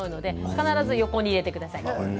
必ず横に入れてください。